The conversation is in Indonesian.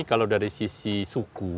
kalau dari sisi suku